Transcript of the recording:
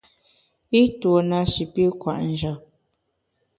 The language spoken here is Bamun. I tuo na shi pi kwet njap.